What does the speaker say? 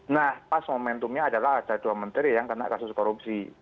nah pas momentumnya adalah ada dua menteri yang kena kasus korupsi